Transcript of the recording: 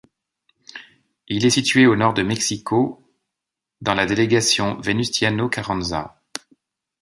Il est situé au nord de Mexico, dans la délégation Venustiano Carranza.